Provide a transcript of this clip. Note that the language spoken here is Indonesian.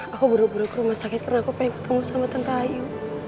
aku buru buru ke rumah sakit karena aku pengen ketemu sama tante ayu